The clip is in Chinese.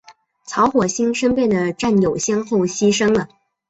曹火星身边的战友先后牺牲了。